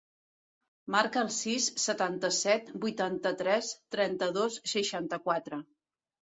Marca el sis, setanta-set, vuitanta-tres, trenta-dos, seixanta-quatre.